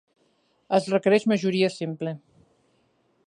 Es requereix majoria simple.